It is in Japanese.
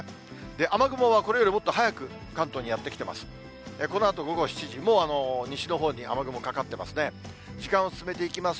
雨雲はこれよりもっと早く関東にやって来てます。